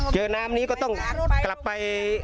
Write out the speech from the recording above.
เจอน้ำนี้ก็ต้องกลับไป